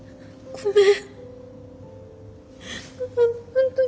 ごめん。